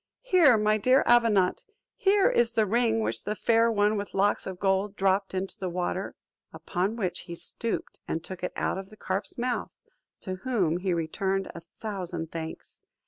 Here, my dear Avenant, here is the ring which the Fair One with Locks of Gold dropped into the river." Upon which he stooped and took it out of the carp's mouth; to whom he returned a thousand thanks.